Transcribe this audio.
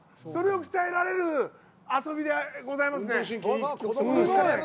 それを鍛えられる遊びでございますね。